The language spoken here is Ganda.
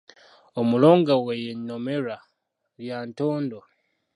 Omulongo we ye Nnomerwa, lya ntondo.